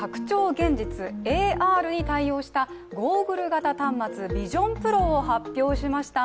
現実＝ＡＲに対応したゴーグル型端末、ビジョン・プロを発表しました。